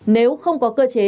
nếu không có cơ chế